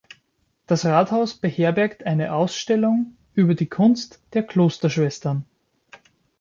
Das Rathaus beherbergt eine Ausstellung über die Kunst der Klosterschwestern.